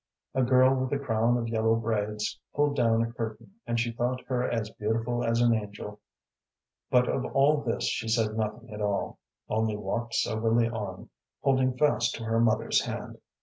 A girl with a crown of yellow braids pulled down a curtain, and she thought her as beautiful as an angel; but of all this she said nothing at all, only walked soberly on, holding fast to her mother's hand.